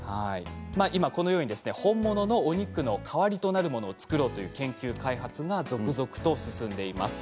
本物のお肉の代わりとなるものを作ろうという研究開発が続々と進んでいます。